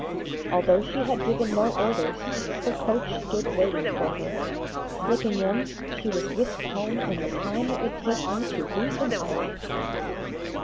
Although she had given no orders, her coach stood waiting for her. Slipping in, she was whisked home in the time it would take you to wink an eye.